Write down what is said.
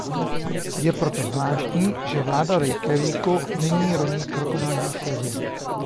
Je proto zvláštní, že vláda Reykjavíku nyní roní krokodýlí slzy.